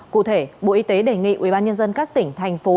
cụ thể bộ y tế đề nghị ubnd các tỉnh thành phố